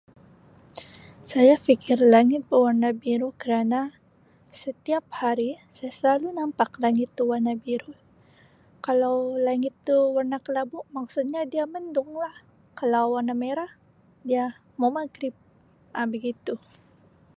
Saya fikir langit berwarna biru kerana setiap hari sa selalu nampak langit tu warna biru. Kalau langit tu warna kelabu maksudnya dia mendung lah. Kalau warna merah dia mau maghrib. Um Begitu.